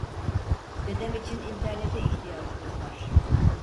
Dedem için internete ihtiyacımız var